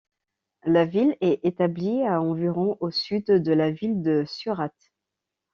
La ville est établie à environ au sud de la ville de Surate.